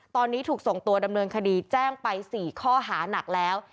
ตอนนี้ถูกส่งตัวดำเนินคดีแจ้งไป๔ข้อหานักแล้ว